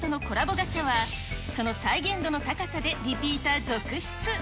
ガチャは、その再現率の高さでリピーター続出。